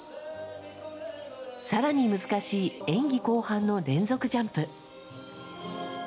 さらに難しい演技後半の連続ジャンプ。